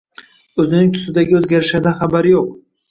O‘zining tusidagi o‘zgarishdan xabari yo‘q